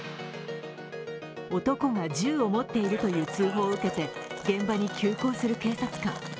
男が銃を持っているという通報を受けて現場に急行する警察官。